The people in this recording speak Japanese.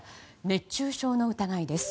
熱中症の疑いです。